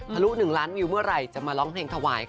ลุ๑ล้านวิวเมื่อไหร่จะมาร้องเพลงถวายค่ะ